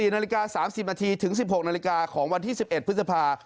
นาฬิกา๓๐นาทีถึง๑๖นาฬิกาของวันที่๑๑พฤษภา